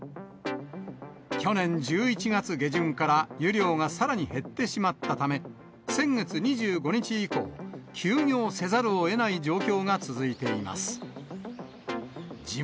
去年１１月下旬から、湯量がさらに減ってしまったため、先月２５日以降、休業せざるをえない状況が続いています。